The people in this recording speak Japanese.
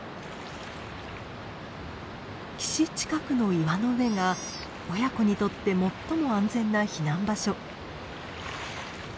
岸近くの岩の上が親子にとって最も安全な避難場所。